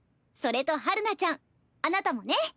それと陽菜ちゃんあなたもね。